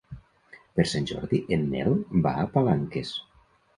Per Sant Jordi en Nel va a Palanques.